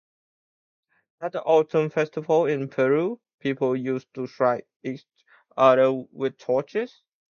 At the autumn festival in Peru people used to strike each other with torches.